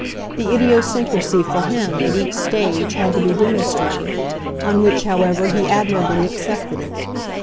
The idiosyncrasy, for him, at each stage, had to be demonstrated on which, however, he admirably accepted it.